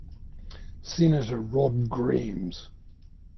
Senator Rod Grams.